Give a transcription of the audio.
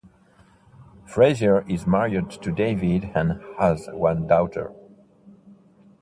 Frazier is married to David and has one daughter.